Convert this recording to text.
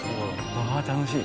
わあ楽しい。